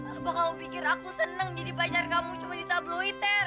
apa kamu pikir aku senang jadi pacar kamu cuma di tabloid ter